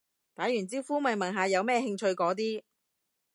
打完招呼咪問下有咩興趣嗰啲